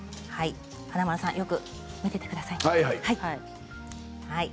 華丸さん、よく見ていてください。